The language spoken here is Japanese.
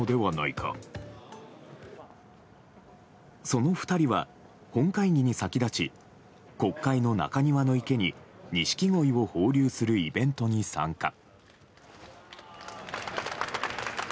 その２人は本会議に先立ち国会の中庭の池にニシキゴイを放流するイベントに参加。